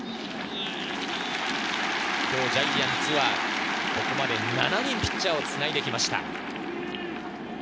ジャイアンツはここまで７人ピッチャーをつないできました。